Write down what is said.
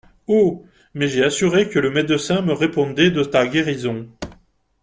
Oh ! mais, j’ai assuré que le médecin me répondait de ta guérison.